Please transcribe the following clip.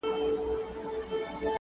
نه بڼو یمه ویشتلی، نه د زلفو زولانه یم!!